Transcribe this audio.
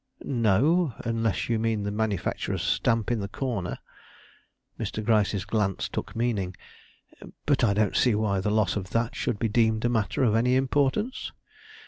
"No, unless you mean the manufacturer's stamp in the corner." Mr. Gryce's glance took meaning. "But I don't see why the loss of that should be deemed a matter of any importance."